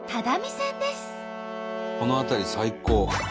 この辺り最高。